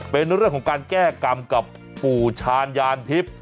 เป็นเรื่องของการแก้กรรมกับปู่ชาญยานทิพย์